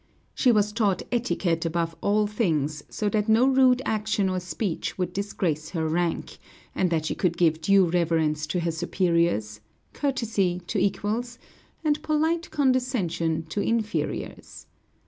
She was taught etiquette above all things, so that no rude action or speech would disgrace her rank; and that she should give due reverence to her superiors, courtesy to equals, and polite condescension to inferiors.